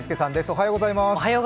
おはようございます。